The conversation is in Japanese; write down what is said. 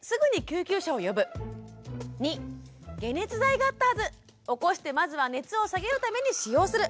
２解熱剤があったはず！起こしてまずは熱を下げるために使用する。